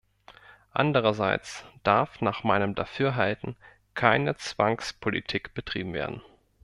Andererseits darf nach meinem Dafürhalten keine Zwangspolitik betrieben werden.